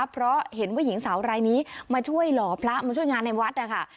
เพราะเห็นว่าหญิงสาวรายนี้มาช่วยหล่อพระมาช่วยงานในวัดนะคะ